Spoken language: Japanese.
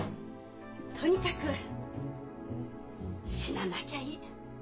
とにかく死ななきゃいい。